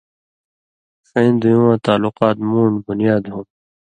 ݜَیں دُویوں واں تعلُقاں مُون٘ڈ (بنیاد) ہُم